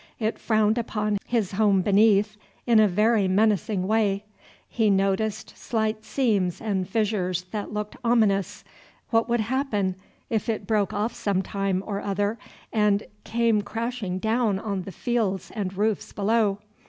It frowned upon his home beneath in a very menacing way; he noticed slight seams and fissures that looked ominous; what would happen, if it broke off some time or other and came crashing down on the fields and roofs below?